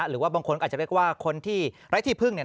หรือว่าบางคนอาจจะเรียกว่าคนที่ไร้ที่พึ่งเนี่ย